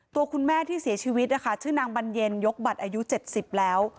ตัวคุณแม่ที่เสียชีวิตนะคะชื่อนางบรรเย็นยกบัตรอายุ๗๐แล้ว